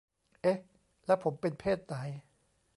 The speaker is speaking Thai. เอ๊ะ ! แล้วผมเป็นเพศไหน ! ?